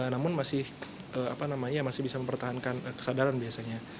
namun masih bisa mempertahankan kesadaran biasanya